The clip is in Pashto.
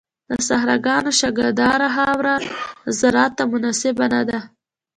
د صحراګانو شګهداره خاوره زراعت ته مناسبه نه ده.